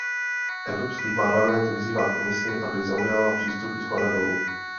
Evropský parlament vyzývá Komisi, aby zaujala přístup shora dolů.